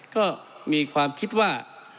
ก็มีความคิดว่า